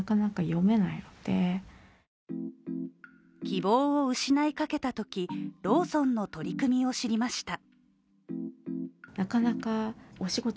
希望を失いかけたときローソンの取り組みを知りました。